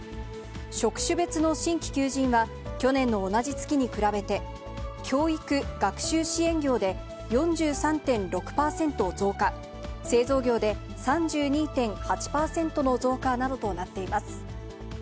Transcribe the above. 職種別の新規求人は、去年の同じ月に比べて、教育・学習支援業で４３．６％増加、製造業で３２．８％の増加などとなっています。